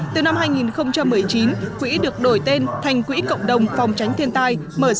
từ năm hai nghìn một mươi chín quỹ được đổi tên thành quỹ cộng đồng phòng tránh thiên tai